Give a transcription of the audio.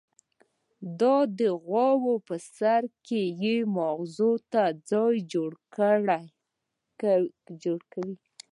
د اغوئ په سر کې يې ماغزو ته ځای جوړ کړی.